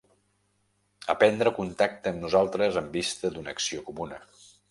A prendre contacte amb nosaltres en vista d'una acció comuna.